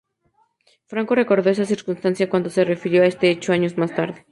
Franco recordó esa circunstancia cuando se refirió a este hecho años más tarde.